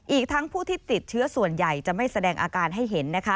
อีกทั้งผู้ที่ติดเชื้อส่วนใหญ่จะไม่แสดงอาการให้เห็นนะคะ